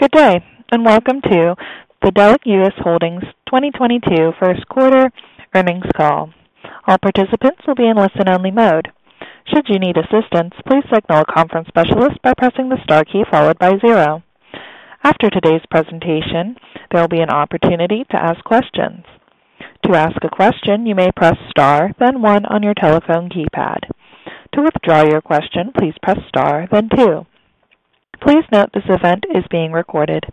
Good day, and welcome to the Delek US Holdings 2022 first quarter earnings call. All participants will be in listen-only mode. Should you need assistance, please signal a conference specialist by pressing the star key followed by zero. After today's presentation, there will be an opportunity to ask questions. To ask a question, you may press Star, then one on your telephone keypad. To withdraw your question, please press star, then two. Please note this event is being recorded.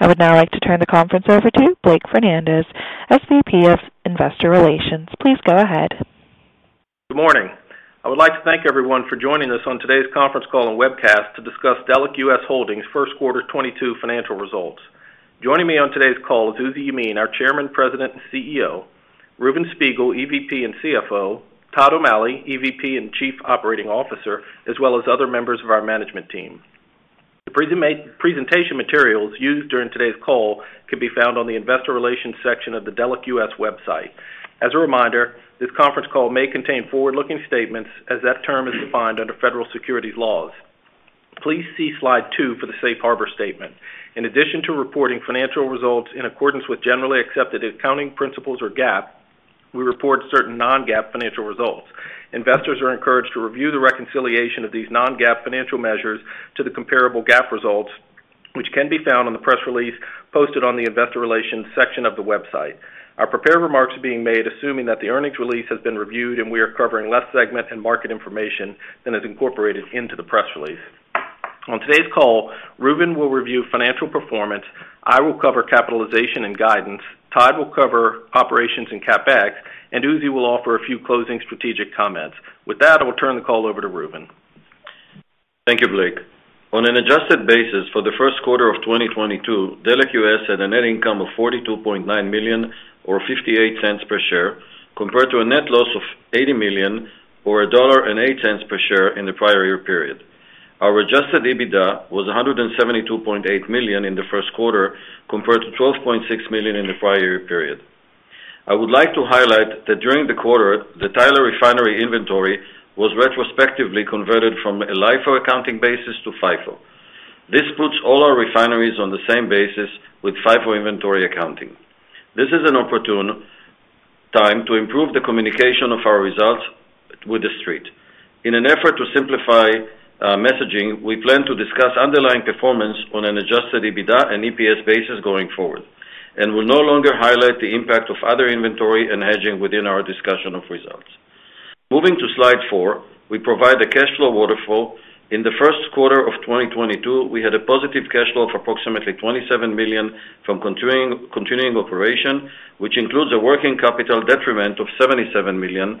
I would now like to turn the conference over to Blake Fernandez, SVP of Investor Relations. Please go ahead. Good morning. I would like to thank everyone for joining us on today's conference call and webcast to discuss Delek US Holdings first quarter 2022 financial results. Joining me on today's call is Uzi Yemin, our Chairman, President, and CEO, Reuven Spiegel, EVP and CFO, Todd O'Malley, EVP and Chief Operating Officer, as well as other members of our management team. The presentation materials used during today's call can be found on the investor relations section of the Delek US website. As a reminder, this conference call may contain forward-looking statements as that term is defined under Federal Securities laws. Please see slide two for the Safe Harbor statement. In addition to reporting financial results in accordance with Generally Accepted Accounting Principles or GAAP, we report certain non-GAAP financial results. Investors are encouraged to review the reconciliation of these non-GAAP financial measures to the comparable GAAP results, which can be found on the press release posted on the investor relations section of the website. Our prepared remarks are being made assuming that the earnings release has been reviewed and we are covering less segment and market information than is incorporated into the press release. On today's call, Reuven will review financial performance, I will cover capitalization and guidance, Todd will cover operations and CapEx, and Uzi will offer a few closing strategic comments. With that, I will turn the call over to Reuven. Thank you, Blake. On an adjusted basis for the first quarter of 2022, Delek US had a net income of $42.9 million or $0.58 per share, compared to a net loss of $80 million or $1.08 per share in the prior year period. Our Adjusted EBITDA was $172.8 million in the first quarter, compared to $12.6 million in the prior year period. I would like to highlight that during the quarter, the Tyler refinery inventory was retrospectively converted from a LIFO accounting basis to FIFO. This puts all our refineries on the same basis with FIFO inventory accounting. This is an opportune time to improve the communication of our results with the street. In an effort to simplify messaging, we plan to discuss underlying performance on an Adjusted EBITDA and EPS basis going forward, and will no longer highlight the impact of other inventory and hedging within our discussion of results. Moving to slide four, we provide the cash flow waterfall. In the first quarter of 2022, we had a positive cash flow of approximately $27 million from continuing operations, which includes a working capital detriment of $77 million.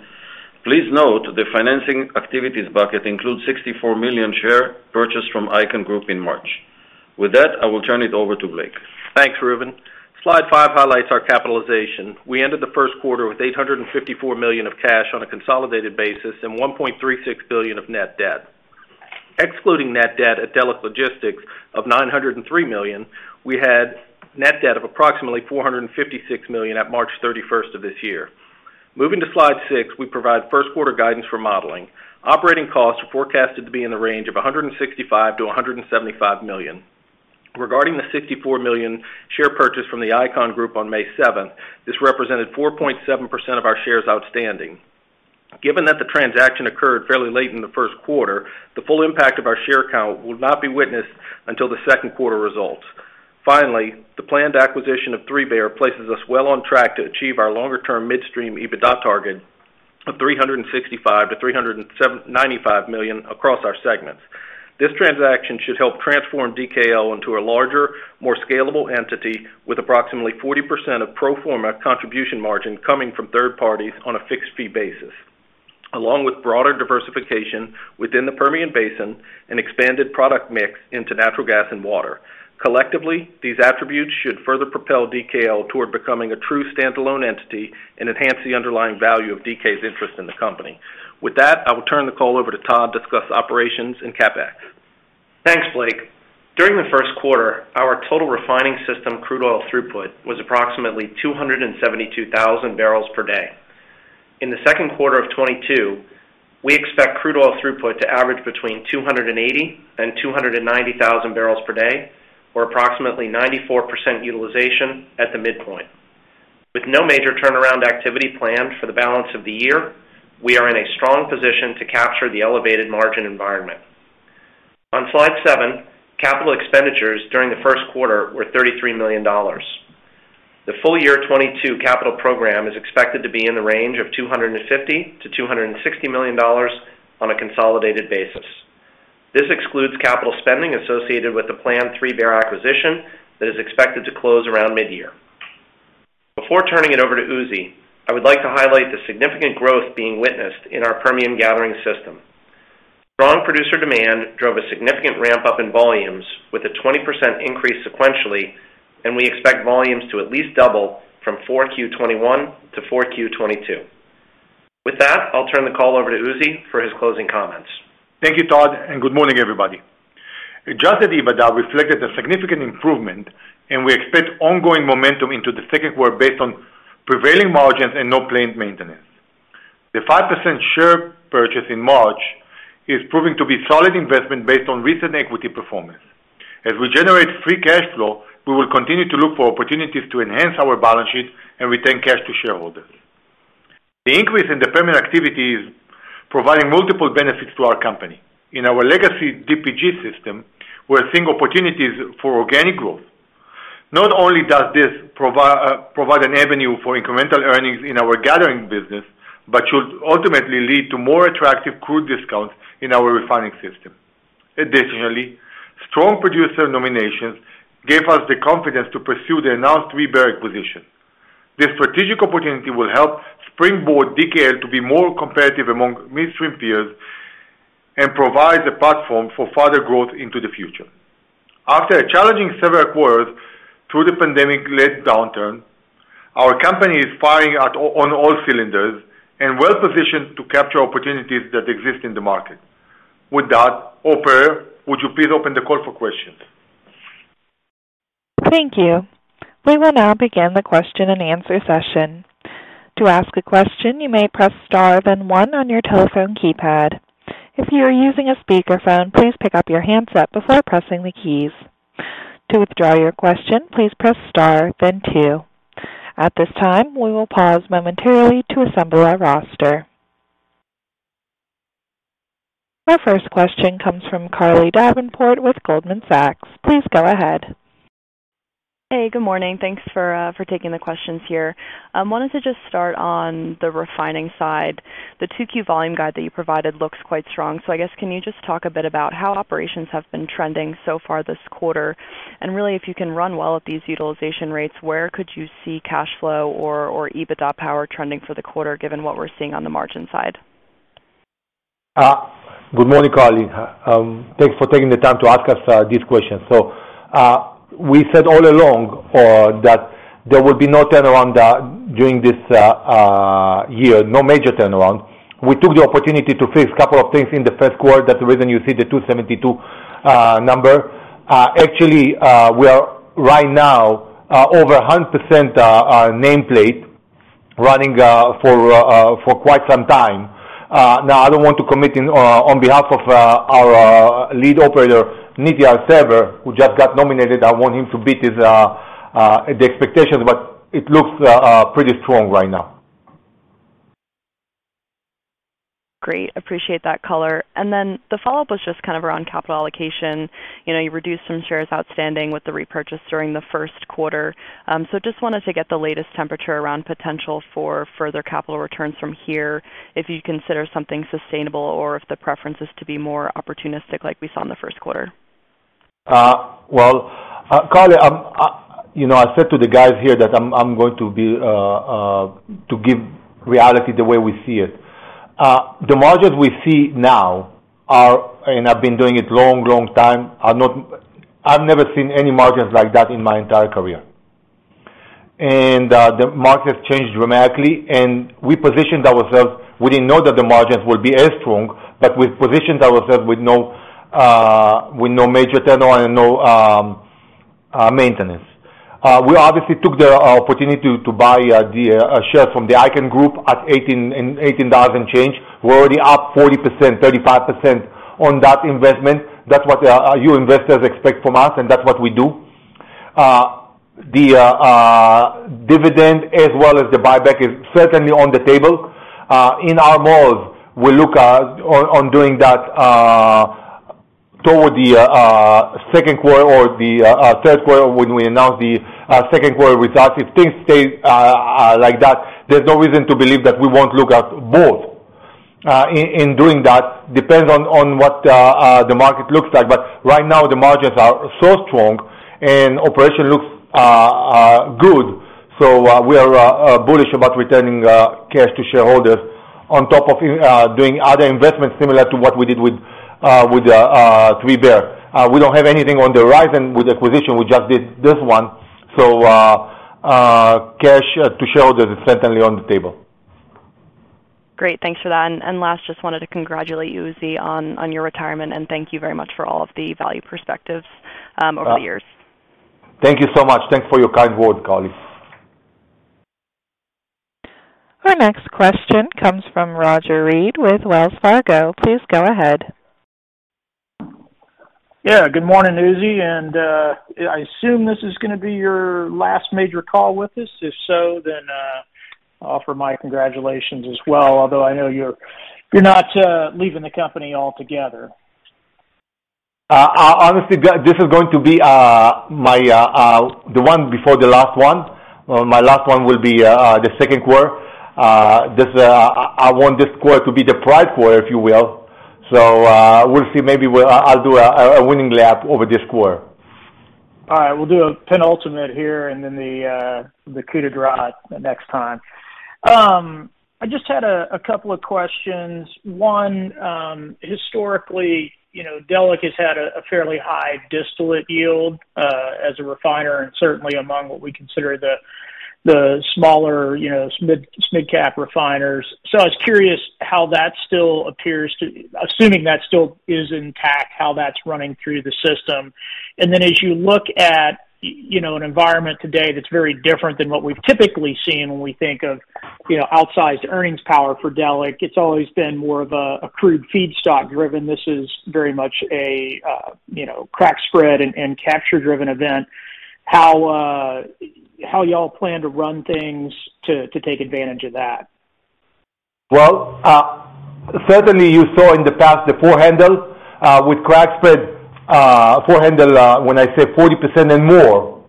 Please note the financing activities bucket includes $64 million share purchase from Icahn Group in March. With that, I will turn it over to Blake. Thanks, Reuven. Slide five highlights our capitalization. We ended the first quarter with $854 million of cash on a consolidated basis and $1.36 billion of net debt. Excluding net debt at Delek Logistics of $903 million, we had net debt of approximately $456 million at March 31st of this year. Moving to slide six, we provide first quarter guidance for modeling. Operating costs are forecasted to be in the range of $165 million-$175 million. Regarding the $64 million share purchase from the Icahn Group on May 7, this represented 4.7% of our shares outstanding. Given that the transaction occurred fairly late in the first quarter, the full impact of our share count will not be witnessed until the second quarter results. Finally, the planned acquisition of 3Bear Energy places us well on track to achieve our longer-term midstream EBITDA target of $365 million-$375 million across our segments. This transaction should help transform DKL into a larger, more scalable entity with approximately 40% of pro forma contribution margin coming from third parties on a fixed fee basis, along with broader diversification within the Permian Basin and expanded product mix into natural gas and water. Collectively, these attributes should further propel DKL toward becoming a true standalone entity and enhance the underlying value of DK's interest in the company. With that, I will turn the call over to Todd to discuss operations and CapEx. Thanks, Blake. During the first quarter, our total refining system crude oil throughput was approximately 272,000 barrels per day. In the second quarter of 2022, we expect crude oil throughput to average between 280,000 and 290,000 barrels per day, or approximately 94% utilization at the midpoint. With no major turnaround activity planned for the balance of the year, we are in a strong position to capture the elevated margin environment. On slide seven, capital expenditures during the first quarter were $33 million. The full year 2022 capital program is expected to be in the range of $250 million-$260 million on a consolidated basis. This excludes capital spending associated with the planned 3Bear Energy acquisition that is expected to close around mid-year. Before turning it over to Uzi, I would like to highlight the significant growth being witnessed in our Permian gathering system. Strong producer demand drove a significant ramp-up in volumes with a 20% increase sequentially, and we expect volumes to at least double from 4Q 2021 to 4Q 2022. With that, I'll turn the call over to Uzi for his closing comments. Thank you, Todd, and good morning, everybody. Adjusted EBITDA reflected a significant improvement, and we expect ongoing momentum into the second quarter based on prevailing margins and no planned maintenance. The 5% share purchase in March is proving to be solid investment based on recent equity performance. As we generate free cash flow, we will continue to look for opportunities to enhance our balance sheet and return cash to shareholders. The increase in the Permian activity is providing multiple benefits to our company. In our legacy DPG system, we're seeing opportunities for organic growth. Not only does this provide an avenue for incremental earnings in our gathering business, but should ultimately lead to more attractive crude discounts in our refining system. Additionally, strong producer nominations gave us the confidence to pursue the announced 3Bear Energy acquisition. This strategic opportunity will help springboard DKL to be more competitive among midstream peers and provide the platform for further growth into the future. After a challenging several quarters through the pandemic-led downturn, our company is firing on all cylinders and well-positioned to capture opportunities that exist in the market. With that, operator, would you please open the call for questions? Thank you. We will now begin the question-and-answer session. To ask a question, you may press star, then one on your telephone keypad. If you are using a speakerphone, please pick up your handset before pressing the keys. To withdraw your question, please press Star, then two. At this time, we will pause momentarily to assemble our roster. Our first question comes from Carly Davenport with Goldman Sachs. Please go ahead. Hey, good morning. Thanks for taking the questions here. Wanted to just start on the refining side. The 2Q volume guide that you provided looks quite strong. I guess, can you just talk a bit about how operations have been trending so far this quarter? Really, if you can run well at these utilization rates, where could you see cash flow or EBITDA power trending for the quarter, given what we're seeing on the margin side? Good morning, Carly. Thanks for taking the time to ask us these questions. We said all along that there would be no turnaround during this year, no major turnaround. We took the opportunity to fix a couple of things in the first quarter. That's the reason you see the 272 number. Actually, we are right now over 100% nameplate running for quite some time. Now, I don't want to commit on behalf of our lead operator, Nithia Thaver, who just got nominated. I want him to beat the expectations, but it looks pretty strong right now. Great. Appreciate that color. The follow-up was just kind of around capital allocation. You know, you reduced some shares outstanding with the repurchase during the first quarter. Just wanted to get the latest temperature around potential for further capital returns from here if you consider something sustainable or if the preference is to be more opportunistic like we saw in the first quarter? Well, Carly, you know, I said to the guys here that I'm going to give reality the way we see it. The margins we see now are, and I've been doing it long time, are not. I've never seen any margins like that in my entire career. The market changed dramatically, and we positioned ourselves. We didn't know that the margins would be as strong, but we positioned ourselves with no major turnover and no maintenance. We obviously took the opportunity to buy the shares from the Icahn Group at $18 and change. We're already up 40%, 35% on that investment. That's what you investors expect from us, and that's what we do. The dividend as well as the buyback is certainly on the table. In our models, we look to doing that toward the second quarter or the third quarter when we announce the second quarter results. If things stay like that, there's no reason to believe that we won't look at both in doing that. Depends on what the market looks like. Right now, the margins are so strong and operations look good. We are bullish about returning cash to shareholders on top of doing other investments similar to what we did with 3Bear Energy. We don't have anything on the horizon with acquisition. We just did this one. Cash to shareholders is certainly on the table. Great. Thanks for that. Last, just wanted to congratulate you, Uzi, on your retirement, and thank you very much for all of the value perspectives over the years. Thank you so much. Thanks for your kind words, Carly. Our next question comes from Roger Read with Wells Fargo. Please go ahead. Yeah, good morning, Uzi, and I assume this is gonna be your last major call with us. If so, then I offer my congratulations as well. Although I know you're not leaving the company altogether. Honestly, guy, this is going to be the one before the last one. My last one will be the second quarter. I want this quarter to be the pride quarter, if you will. We'll see. Maybe I'll do a winning lap over this quarter. All right. We'll do a penultimate here and then the coup de grâce next time. I just had a couple of questions. One, historically, you know, Delek has had a fairly high distillate yield as a refiner, and certainly among what we consider the smaller, you know, mid-cap refiners. I was curious, assuming that still is intact, how that's running through the system. Then as you look at, you know, an environment today that's very different than what we've typically seen when we think of, you know, outsized earnings power for Delek. It's always been more of a crude feedstock driven. This is very much a, you know, crack spread and capture driven event. How y'all plan to run things to take advantage of that? Well, certainly you saw in the past the four handle with crack spread, four handle, when I say 40% and more,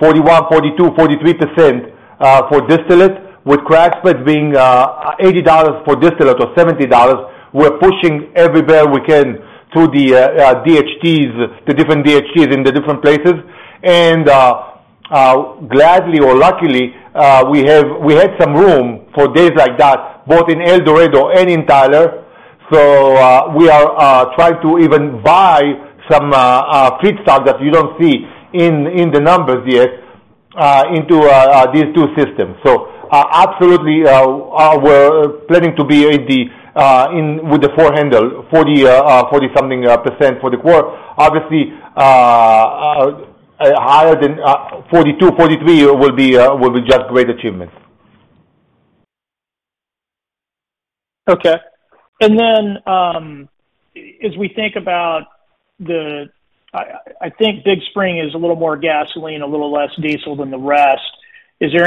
41%, 42%, 43%, for distillate, with crack spread being $80 for distillate or $70. We're pushing every barrel we can through the DHTs, the different DHTs in the different places. Gladly or luckily, we had some room for days like that, both in El Dorado and in Tyler. We are trying to even buy some feedstock that you don't see in the numbers yet into these two systems. Absolutely, we're planning to be in with the four handle 40% something for the quarter. Obviously, higher than 42%-43% will be just great achievement. Okay. As we think about, I think Big Spring is a little more gasoline, a little less diesel than the rest. Are there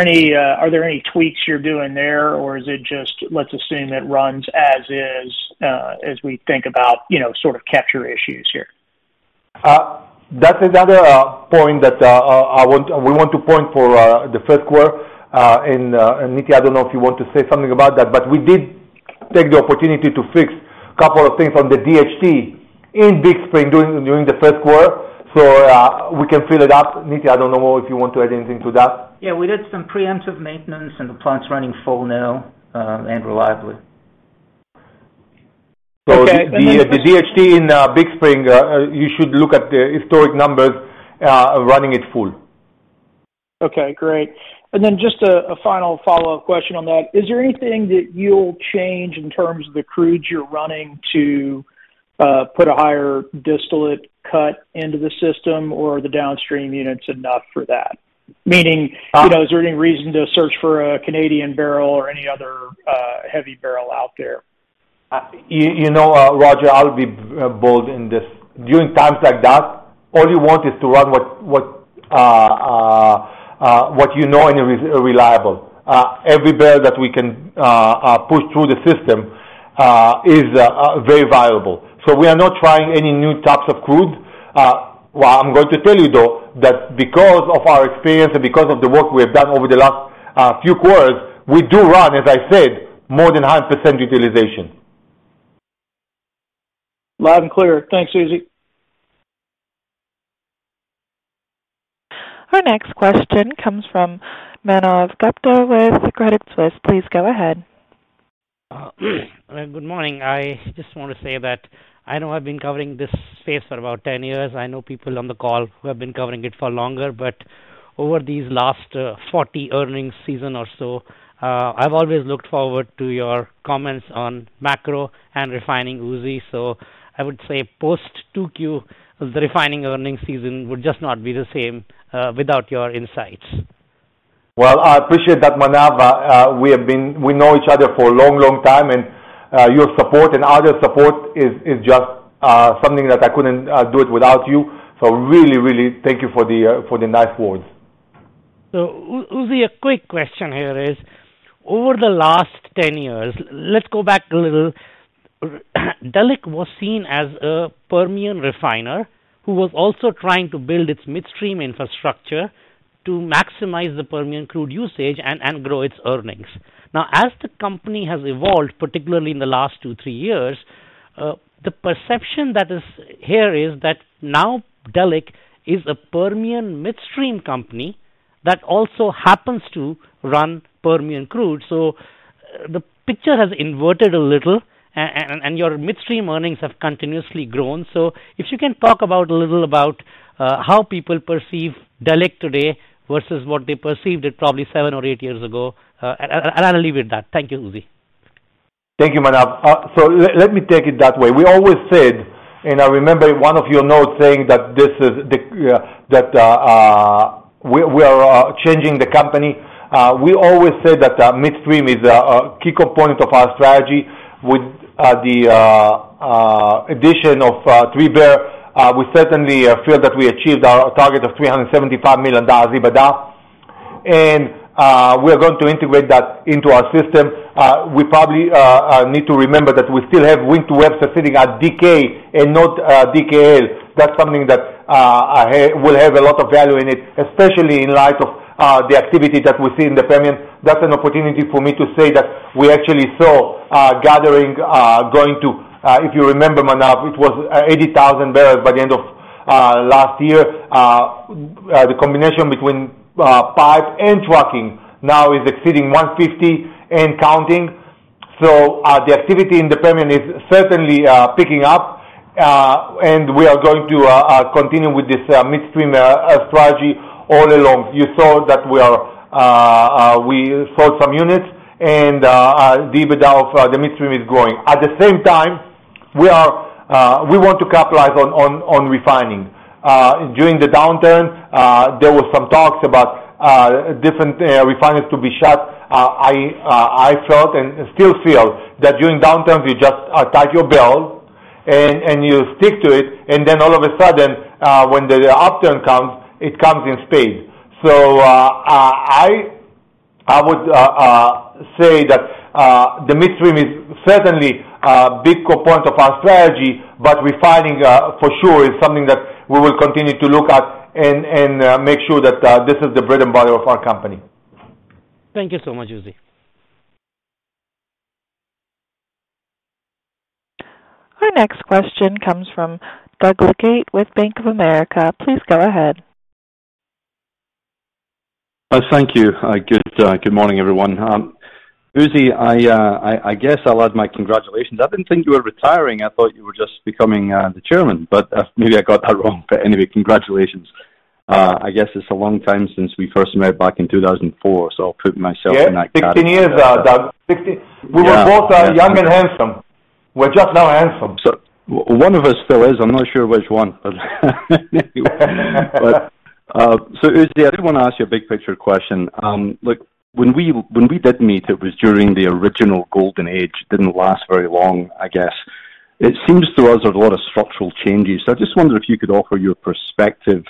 any tweaks you're doing there, or is it just, let's assume it runs as is, as we think about, you know, sort of capture issues here? That's another point that we want to point out for the first quarter. Nithya, I don't know if you want to say something about that, but we did take the opportunity to fix a couple of things on the DHT in Big Spring during the first quarter. We can fill it up. Nithya, I don't know if you want to add anything to that. Yeah, we did some preemptive maintenance and the plant's running full now, and reliably. Okay. The DHT in Big Spring, you should look at the historical numbers, running it full. Okay, great. Just a final follow-up question on that. Is there anything that you'll change in terms of the crudes you're running to put a higher distillate cut into the system or the downstream units enough for that? Uh. You know, is there any reason to search for a Canadian barrel or any other, heavy barrel out there? You know, Roger, I'll be bold in this. During times like that, all you want is to run what you know and is reliable. Every barrel that we can push through the system is very valuable. We are not trying any new types of crude. What I'm going to tell you, though, that because of our experience and because of the work we have done over the last few quarters, we do run, as I said, more than 100% utilization. Loud and clear. Thanks, Uzi. Our next question comes from Manav Gupta with Credit Suisse. Please go ahead. Good morning. I just want to say that I know I've been covering this space for about 10 years. I know people on the call who have been covering it for longer, but over these last 40 earnings season or so, I've always looked forward to your comments on macro and refining, Uzi. I would say post 2Q, the refining earnings season would just not be the same without your insights. Well, I appreciate that, Manav. We know each other for a long, long time, and your support and other support is just something that I couldn't do it without you. Really thank you for the nice words. Uzi, a quick question here is, over the last 10 years, let's go back a little. Delek was seen as a Permian refiner who was also trying to build its midstream infrastructure to maximize the Permian crude usage and grow its earnings. Now, as the company has evolved, particularly in the last two, three years, the perception that is here is that now Delek is a Permian midstream company that also happens to run Permian crude. The picture has inverted a little and your midstream earnings have continuously grown. If you can talk about a little about how people perceive Delek today versus what they perceived it probably seven or eight years ago. I'll leave it at that. Thank you, Uzi. Thank you, Manav. Let me take it that way. We always said, and I remember one of your notes saying that this is the that we are changing the company. We always said that midstream is a key component of our strategy with the addition of 3Bear Energy. We certainly feel that we achieved our target of $375 million EBITDA, and we are going to integrate that into our system. We probably need to remember that we still have Wink to Webster sitting at DK and not DKL. That's something that will have a lot of value in it, especially in light of the activity that we see in the Permian. That's an opportunity for me to say that we actually saw gathering going to if you remember Manav, it was 80,000 barrels by the end of last year. The combination between pipe and trucking now is exceeding 150 and counting. The activity in the Permian is certainly picking up. We are going to continue with this midstream strategy all along. You saw that we sold some units, and the EBITDA of the midstream is growing. At the same time, we want to capitalize on refining. During the downturn, there was some talks about different refineries to be shut. I felt and still feel that during downturns you just tighten your belt and you stick to it. All of a sudden, when the upturn comes, it comes at speed. I would say that the midstream is certainly a big component of our strategy, but refining for sure is something that we will continue to look at and make sure that this is the bread and butter of our company. Thank you so much, Uzi. Our next question comes from Doug Leggate with Bank of America. Please go ahead. Thank you. Good morning, everyone. Uzi, I guess I'll add my congratulations. I didn't think you were retiring. I thought you were just becoming the chairman, but maybe I got that wrong. But anyway, congratulations. I guess it's a long time since we first met back in 2004, so I'll put myself in that category. Yeah. 15 years, Doug. Yeah. We were both, young and handsome. We're just now handsome. One of us still is. I'm not sure which one. Uzi, I did wanna ask you a big picture question. Look, when we did meet, it was during the original golden age. Didn't last very long, I guess. It seems to us there's a lot of structural changes. I just wonder if you could offer your perspective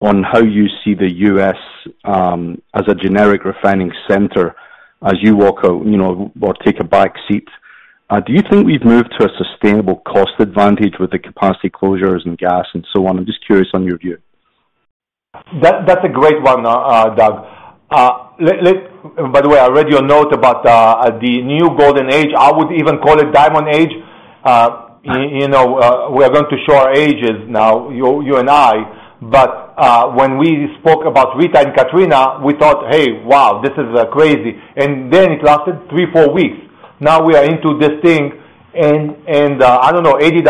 on how you see the U.S. as a generic refining center as you walk out, you know, or take a back seat. Do you think we've moved to a sustainable cost advantage with the capacity closures and gas and so on? I'm just curious on your view. That's a great one, Doug. By the way, I read your note about the new golden age. I would even call it diamond age. You know, we are going to show our ages now, you and I. When we spoke about Rita and Katrina, we thought, "Hey, wow, this is crazy." Then it lasted three weeks-four weeks. Now we are into this thing and I don't know, $80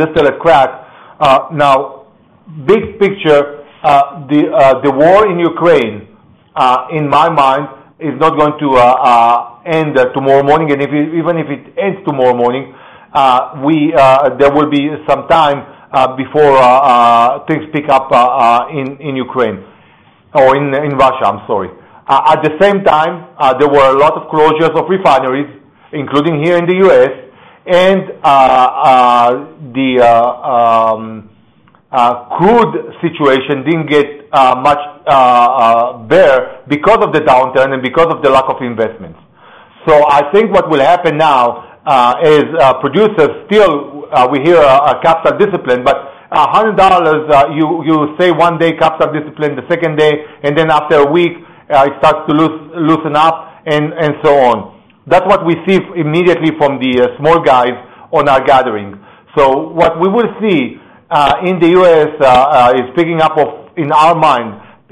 distillates crack. Now, big picture, the war in Ukraine, in my mind, is not going to end tomorrow morning. Even if it ends tomorrow morning, there will be some time before things pick up in Ukraine or in Russia, I'm sorry. At the same time, there were a lot of closures of refineries, including here in the U.S., and the crude situation didn't get much better because of the downturn and because of the lack of investments. I think what will happen now is producers still, we hear, a capital discipline, but $100, you say one day capital discipline, the second day, and then after a week, it starts to loosen up and so on. That's what we see immediately from the small guys on our gathering. What we will see in the U.S. is picking up of drilling, in our minds,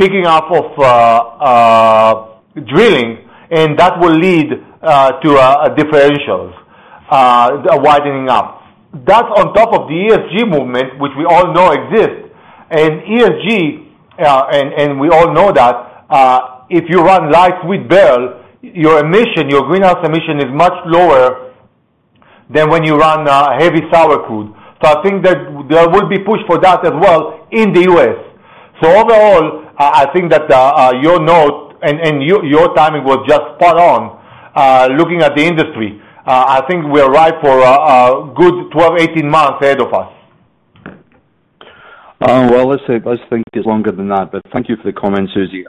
and that will lead to differentials widening up. That's on top of the ESG movement, which we all know exists. ESG, and we all know that if you run light sweet barrel, your emission, your greenhouse emission is much lower than when you run heavy sour crude. I think that there will be push for that as well in the U.S. Overall, I think that your note and your timing was just spot on. Looking at the industry, I think we are ripe for a good 12 months-18 months ahead of us. Well, let's say, let's think it's longer than that, but thank you for the comment, Uzi.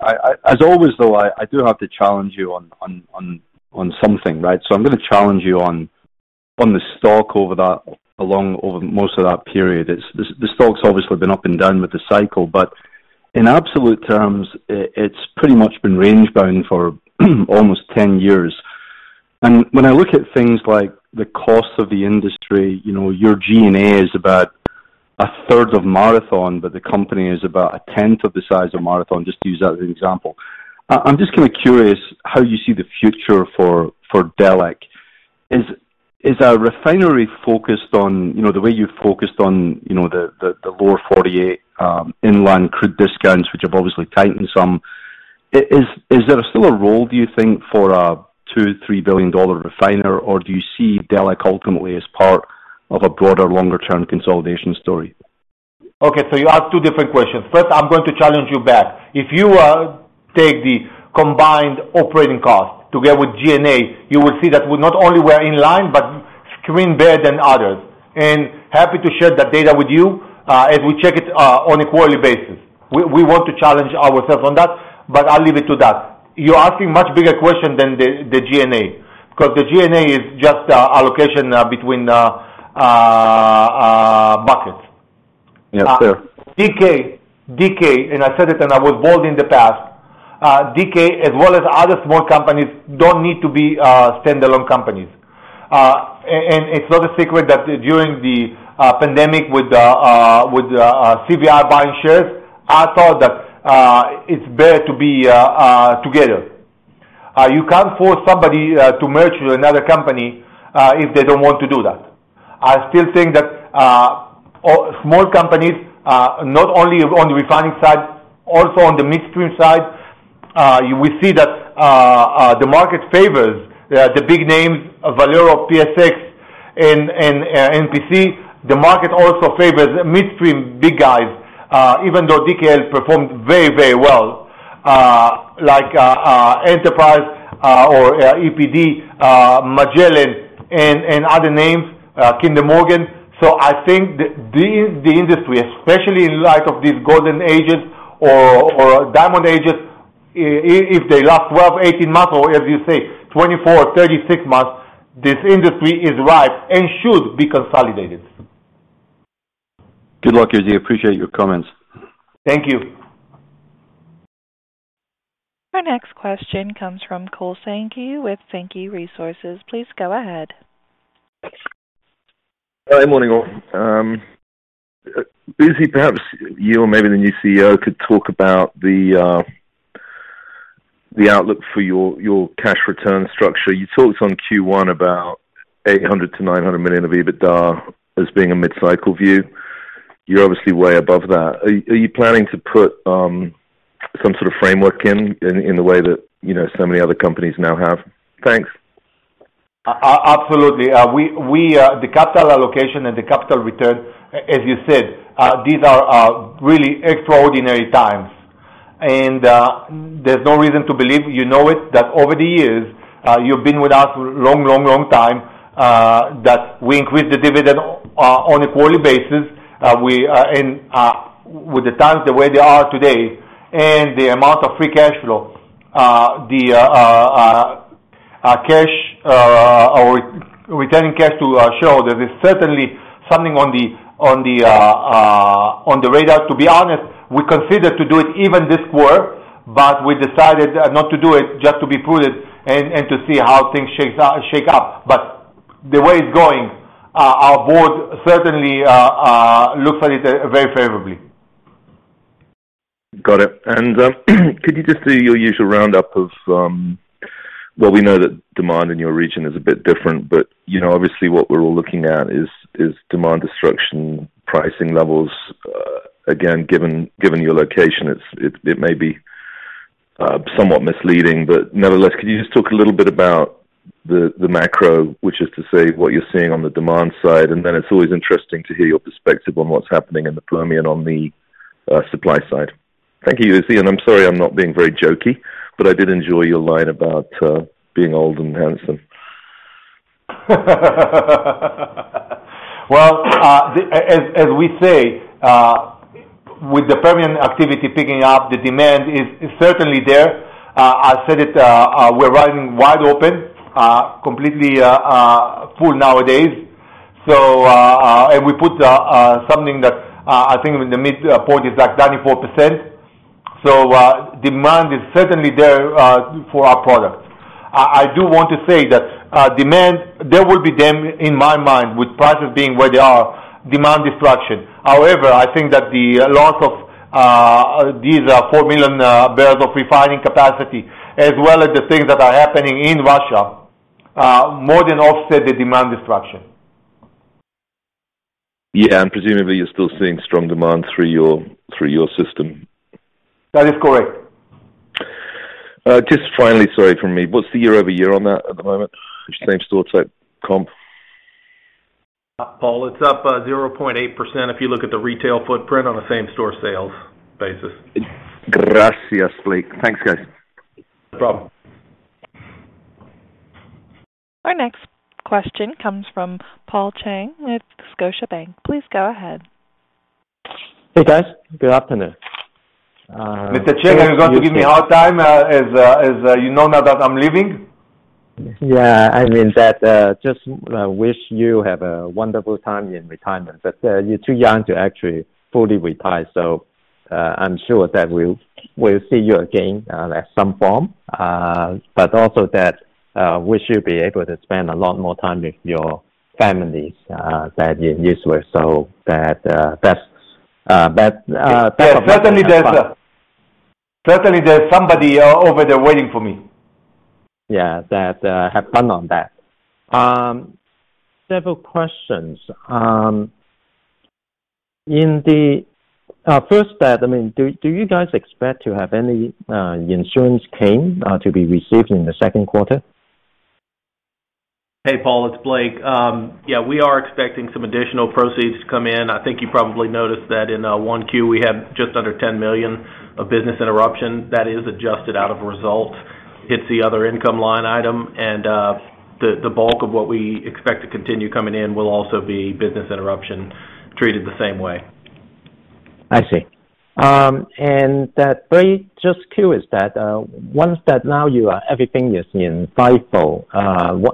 As always though, I do have to challenge you on something, right? I'm gonna challenge you on the stock over most of that period. The stock's obviously been up and down with the cycle, but in absolute terms, it's pretty much been range-bound for almost 10 years. When I look at things like the cost of the industry, you know, your G&A is about a third of Marathon, but the company is about a tenth of the size of Marathon, just to use that as an example. I'm just kinda curious how you see the future for Delek. Is a refinery focused on, you know, the way you focused on, you know, the lower 48 inland crude discounts, which have obviously tightened some. Is there still a role, do you think, for a $2 billion-$3 billion refiner, or do you see Delek ultimately as part of a broader longer-term consolidation story? Okay, you asked two different questions. First, I'm going to challenge you back. If you take the combined operating cost together with G&A, you will see that we're not only in line, but seem better than others. Happy to share that data with you as we check it on a quarterly basis. We want to challenge ourselves on that, but I'll leave it to that. You're asking much bigger question than the G&A, because the G&A is just allocation between buckets. Yes, sir. DK and I said it and I was bold in the past, DK as well as other small companies don't need to be standalone companies. It's not a secret that during the pandemic with the CVR buying shares, I thought that it's better to be together. You can't force somebody to merge with another company if they don't want to do that. I still think that small companies not only on the refining side, also on the midstream side. We see that the market favors the big names of Valero, PSX and MPC. The market also favors midstream big guys, even though DKL has performed very well, like Enterprise or EPD, Magellan and other names, Kinder Morgan. I think the industry, especially in light of these golden ages or diamond ages, if they last 12 months, 18 months or as you say, 24 months, 36 months, this industry is ripe and should be consolidated. Good luck, Uzi. Appreciate your comments. Thank you. Our next question comes from Paul Sankey with Sankey Research. Please go ahead. Hi. Morning all. Uzi, perhaps you or maybe the new CEO could talk about the outlook for your cash return structure. You talked on Q1 about $800 million-$900 million of EBITDA as being a mid-cycle view. You're obviously way above that. Are you planning to put some sort of framework in the way that, you know, so many other companies now have? Thanks. Absolutely. The capital allocation and the capital return, as you said, these are really extraordinary times. There's no reason to believe you know it, that over the years, you've been with us long time, that we increase the dividend on a quarterly basis. With the times the way they are today and the amount of free cash flow, the cash or returning cash to our shareholders is certainly something on the radar. To be honest, we consider to do it even this quarter, but we decided not to do it, just to be prudent and to see how things shake out. The way it's going, our board certainly looks at it very favorably. Got it. Could you just do your usual roundup of. Well, we know that demand in your region is a bit different, but, you know, obviously what we're all looking at is demand destruction, pricing levels. Again, given your location, it may be somewhat misleading, but nevertheless, could you just talk a little bit about the macro, which is to say what you're seeing on the demand side, and then it's always interesting to hear your perspective on what's happening in the Permian on the supply side. Thank you, Uzi, and I'm sorry I'm not being very jokey, but I did enjoy your line about being old and handsome. Well, as we say, with the Permian activity picking up, the demand is certainly there. I said it, we're running wide open, completely full nowadays. We put something that I think in the midpoint is like 34%. Demand is certainly there for our product. I do want to say that demand, there will be some, in my mind, with prices being where they are, demand destruction. However, I think that the loss of these 4 million barrels of refining capacity as well as the things that are happening in Russia more than offset the demand destruction. Yeah, presumably you're still seeing strong demand through your system. That is correct. Just finally, sorry for me. What's the year-over-year on that at the moment? Same store type comp. Paul, it's up 0.8% if you look at the retail footprint on the same store sales basis. Gracias, Blake. Thanks, guys. No problem. Our next question comes from Paul Cheng with Scotiabank. Please go ahead. Hey, guys. Good afternoon. Mr. Cheng, are you going to give me a hard time, as you know now that I'm leaving? Yeah. I mean that just wish you have a wonderful time in retirement, but you're too young to actually fully retire, so I'm sure that we'll see you again at some form. Also that wish you'll be able to spend a lot more time with your families than you used to, so that's that. Yeah. Certainly there's somebody over there waiting for me. Yeah. Have fun on that. Several questions. First, I mean, do you guys expect to have any insurance claim to be received in the second quarter? Hey, Paul, it's Blake. We are expecting some additional proceeds to come in. I think you probably noticed that in 1Q, we had just under $10 million of business interruption. That is adjusted out of result. It's the other income line item and the bulk of what we expect to continue coming in will also be business interruption treated the same way. I see. I'm very curious that now everything is in FIFO.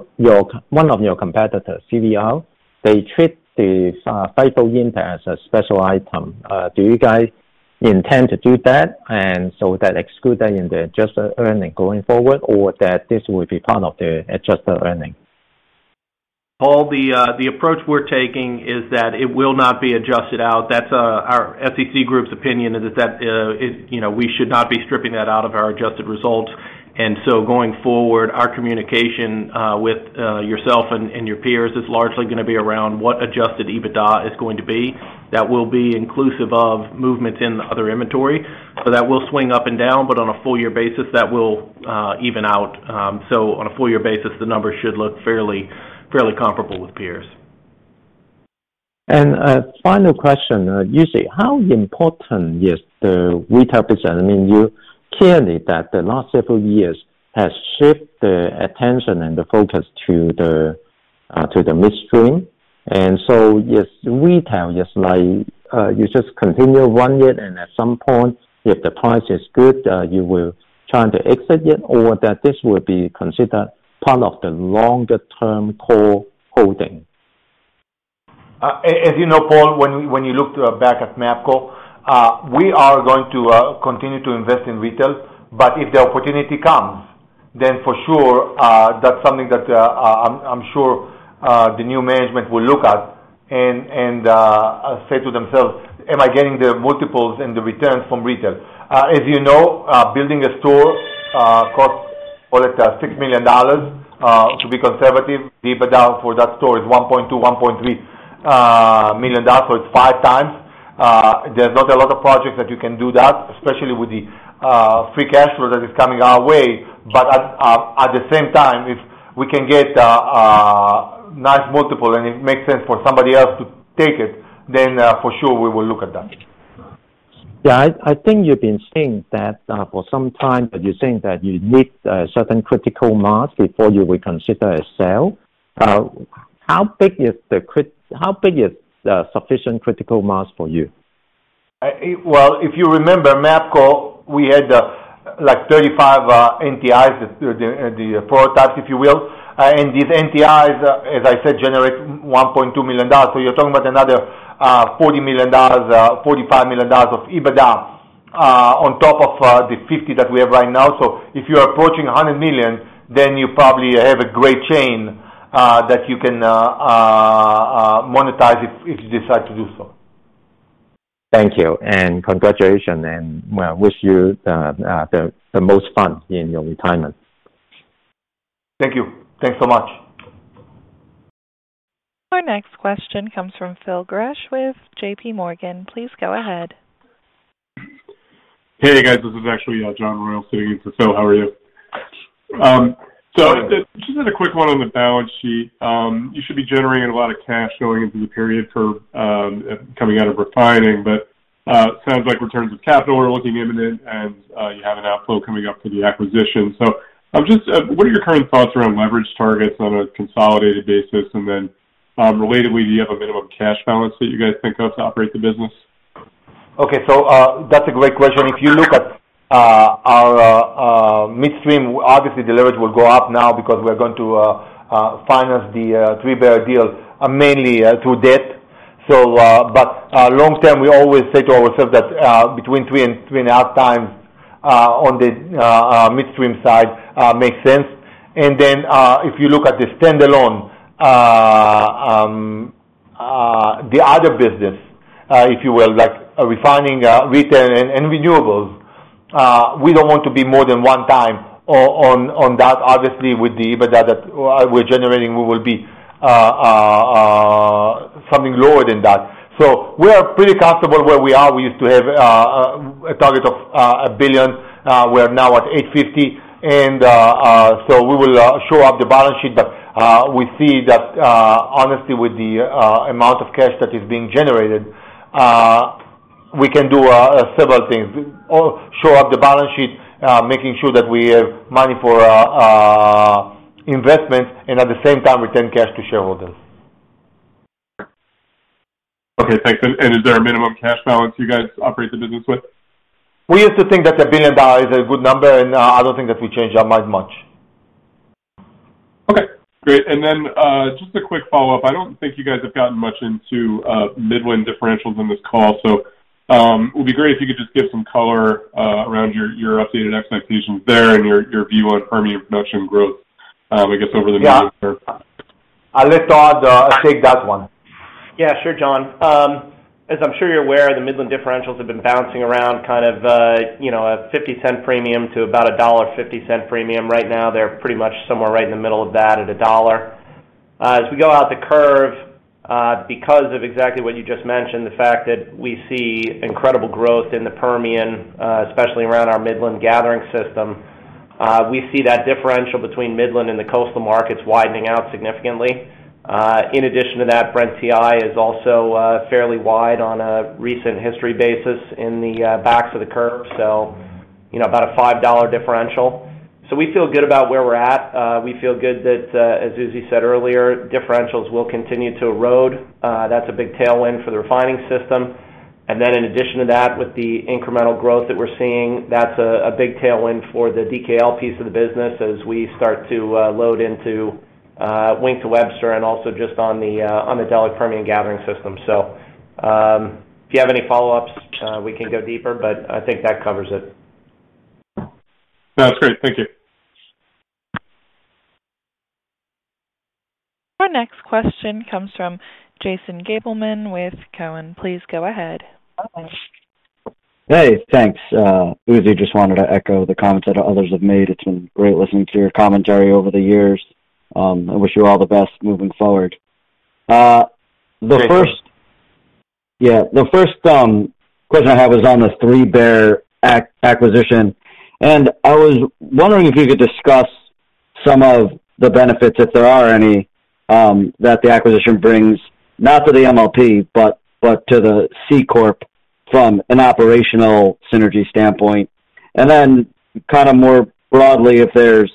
One of your competitors, CVR, they treat the FIFO impact as a special item. Do you guys intend to do that and exclude that in the adjusted earnings going forward, or will this be part of the adjusted earnings? Paul, the approach we're taking is that it will not be adjusted out. That's our FCC group's opinion is that, you know, we should not be stripping that out of our adjusted results. Going forward, our communication with yourself and your peers is largely gonna be around what Adjusted EBITDA is going to be. That will be inclusive of movement in the other inventory. That will swing up and down, but on a full year basis, that will even out. On a full year basis, the numbers should look fairly comparable with peers. A final question. Uzi, how important is the retail business? I mean, you're clear that the last several years has shaped the attention and the focus to the midstream. Is retail just like you just continue run it, and at some point, if the price is good, you will try to exit it or that this will be considered part of the longer-term core holding? As you know, Paul, when you look back at Mapco, we are going to continue to invest in retail. If the opportunity comes, for sure, that's something that I'm sure the new management will look at and say to themselves, Am I getting the multiples and the returns from retail? As you know, building a store costs, call it, $6 million to be conservative. EBITDA for that store is $1.2 million-$1.3 million, so it's 5x. There's not a lot of projects that you can do that, especially with the free cash flow that is coming our way. At the same time, if we can get a nice multiple and it makes sense for somebody else to take it, then for sure we will look at that. Yeah. I think you've been saying that for some time, but you're saying that you need a certain critical mass before you will consider a sale. How big is the sufficient critical mass for you? Well, if you remember Mapco, we had like 35 NTIs, the prototypes if you will. These NTIs, as I said, generate $1.2 million. You're talking about another $40 million-$45 million of EBITDA on top of the $50 million that we have right now. If you're approaching $100 million, then you probably have a great chain that you can monetize if you decide to do so. Thank you, and congratulations, and well, wish you the most fun in your retirement. Thank you. Thanks so much. Our next question comes from Phil Gresh with JPMorgan. Please go ahead. Hey, guys. This is actually John Royall sitting in for Phil. How are you? Just had a quick one on the balance sheet. You should be generating a lot of cash going into the period for coming out of refining. Sounds like returns of capital are looking imminent, and you have an outflow coming up for the acquisition. Just what are your current thoughts around leverage targets on a consolidated basis? Then, relatedly, do you have a minimum cash balance that you guys think of to operate the business? Okay. That's a great question. If you look at our midstream, obviously the leverage will go up now because we're going to finance the 3Bear Energy deal mainly through debt. Long term, we always say to ourselves that between 3 times and 3.5 times on the midstream side makes sense. If you look at the standalone the other business if you will like refining retail and renewables we don't want to be more than 1x on that. Obviously with the EBITDA that we're generating, we will be something lower than that. We are pretty comfortable where we are. We used to have a target of $1 billion. We're now at 8:50 A.M., and so we will shore up the balance sheet. We see that, honestly, with the amount of cash that is being generated, we can do several things. Shore up the balance sheet, making sure that we have money for investments, and at the same time, return cash to shareholders. Okay. Thanks. Is there a minimum cash balance you guys operate the business with? We used to think that $1 billion is a good number, and I don't think that we changed our mind much. Okay. Great. Just a quick follow-up. I don't think you guys have gotten much into Midland differentials in this call. It would be great if you could just give some color around your updated expectations there and your view on Permian production growth, I guess over the medium term. Yeah. I'll let Todd take that one. Yeah. Sure. John. As I'm sure you're aware, the Midland differentials have been bouncing around kind of, you know, a $0.50 premium to about a $1.50 premium. Right now they're pretty much somewhere right in the middle of that at $1. As we go out the curve, because of exactly what you just mentioned, the fact that we see incredible growth in the Permian, especially around our Midland gathering system, we see that differential between Midland and the coastal markets widening out significantly. In addition to that, Brent/WTI is also fairly wide on a recent history basis in the backs of the curve, so, you know, about a $5 differential. So we feel good about where we're at. We feel good that, as Uzi said earlier, differentials will continue to erode. That's a big tailwind for the refining system. Then in addition to that, with the incremental growth that we're seeing, that's a big tailwind for the DKL piece of the business as we start to load into Wink to Webster and also just on the Delek Permian Gathering System. If you have any follow-ups, we can go deeper, but I think that covers it. No, it's great. Thank you. Our next question comes from Jason Gabelman with Cowen. Please go ahead. Hey, thanks, Uzi. Just wanted to echo the comments that others have made. It's been great listening to your commentary over the years. I wish you all the best moving forward. The first question I have is on the 3Bear Energy acquisition, and I was wondering if you could discuss some of the benefits, if there are any, that the acquisition brings, not to the MLP, but to the C corp from an operational synergy standpoint. Kind of more broadly, if there's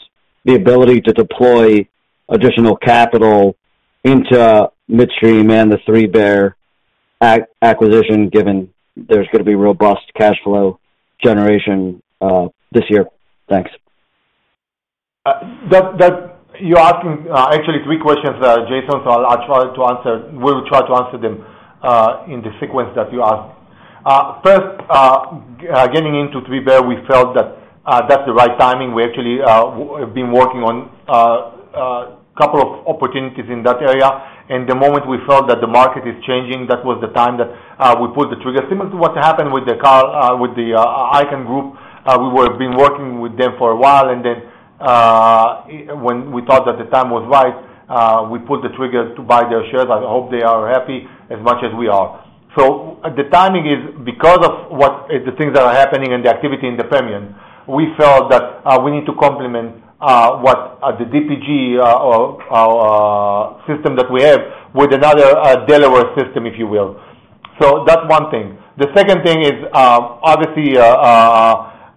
the ability to deploy additional capital into midstream and the 3Bear Energy acquisition, given there's gonna be robust cash flow generation, this year. Thanks. That you're asking actually three questions, Jason, so I'll try to answer. We'll try to answer them in the sequence that you asked. First, getting into 3Bear, we felt that that's the right timing. We actually have been working on a couple of opportunities in that area. The moment we felt that the market is changing, that was the time that we pulled the trigger. Similar to what happened with Carl with the Icahn Group, we were been working with them for a while, and then when we thought that the time was right, we pulled the trigger to buy their shares. I hope they are happy as much as we are. The timing is because of what the things that are happening and the activity in the Permian. We felt that we need to complement what the DPG or system that we have with another Delaware system, if you will. That's one thing. The second thing is obviously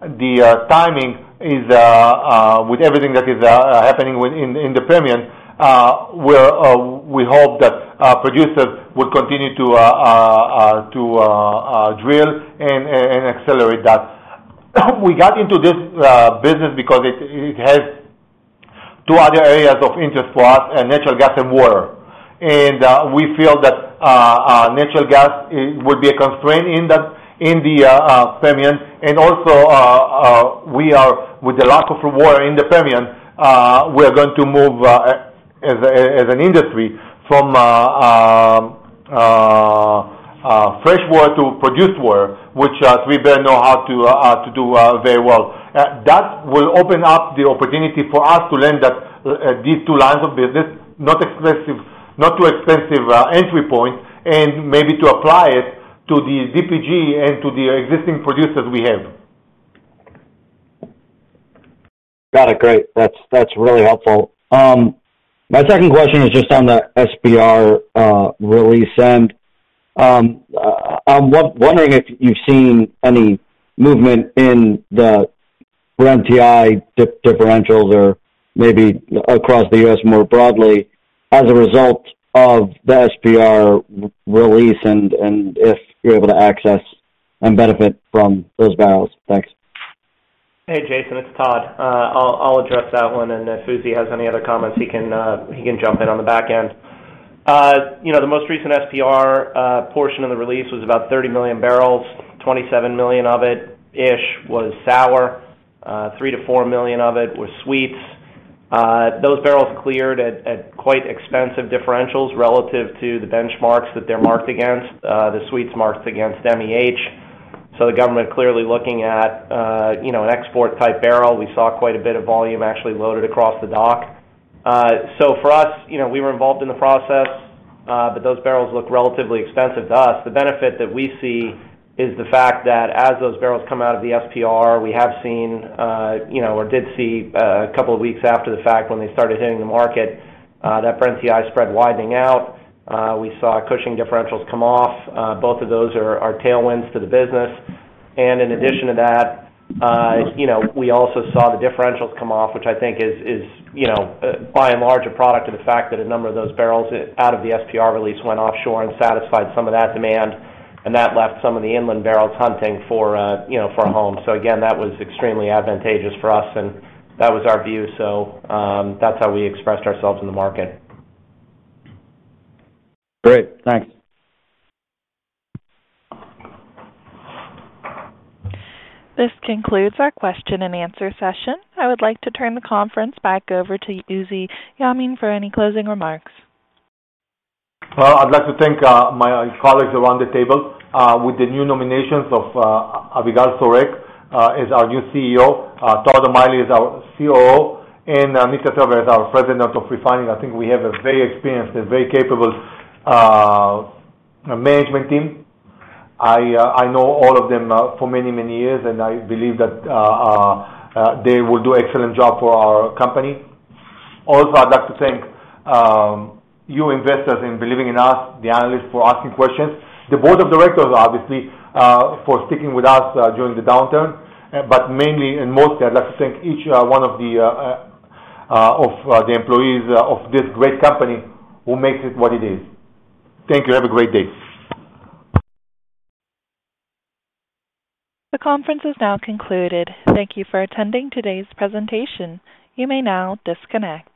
the timing is with everything that is happening within the Permian. We hope that producers will continue to drill and accelerate that. We got into this business because it has two other areas of interest for us, natural gas and water. We feel that natural gas would be a constraint in the Permian. We are with the lack of water in the Permian. We are going to move as an industry from fresh water to produced water, which 3Bear Energy know how to do very well. That will open up the opportunity for us to learn that these two lines of business, not expensive, not too expensive entry point, and maybe to apply it to the DPG and to the existing producers we have. Got it. Great. That's really helpful. My second question is just on the SPR release. I'm wondering if you've seen any movement in the Brent/WTI differentials or maybe across the U.S. more broadly as a result of the SPR release, and if you're able to access and benefit from those barrels. Thanks. Hey, Jason, it's Todd O'Malley. I'll address that one, and if Uzi Yemin has any other comments, he can jump in on the back end. You know, the most recent SPR portion of the release was about 30 million barrels. 27 million of it was sour. 3 million-4 million of it was sweet. Those barrels cleared at quite expensive differentials relative to the benchmarks that they're marked against. The sweet marked against MEH. The government clearly looking at, you know, an export type barrel. We saw quite a bit of volume actually loaded across the dock. For us, you know, we were involved in the process, but those barrels look relatively expensive to us. The benefit that we see is the fact that as those barrels come out of the SPR, we did see a couple of weeks after the fact when they started hitting the market, that Brent/WTI spread widening out. We saw Cushing differentials come off. Both of those are tailwinds to the business. In addition to that, you know, we also saw the differentials come off, which I think is, you know, by and large a product of the fact that a number of those barrels out of the SPR release went offshore and satisfied some of that demand, and that left some of the inland barrels hunting for, you know, for home. Again, that was extremely advantageous for us, and that was our view. That's how we expressed ourselves in the market. Great. Thanks. This concludes our question and answer session. I would like to turn the conference back over to Uzi Yemin for any closing remarks. Well, I'd like to thank my colleagues around the table with the new nominations of Avigal Soreq as our new CEO. Todd O'Malley is our COO, and Nithia Thaver is our President of Refining. I think we have a very experienced and very capable management team. I know all of them for many, many years, and I believe that they will do excellent job for our company. Also, I'd like to thank you investors in believing in us, the analysts for asking questions. The board of directors, obviously, for sticking with us during the downturn. Mainly and mostly, I'd like to thank each one of the employees of this great company who makes it what it is. Thank you. Have a great day. The conference is now concluded. Thank you for attending today's presentation. You may now disconnect.